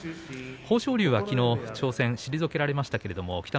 豊昇龍はきのう挑戦、退けられました。